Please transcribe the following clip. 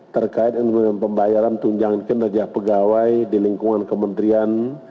terkait penggunaan pembayaran tunjang kinerja pegawai di lingkungan kementerian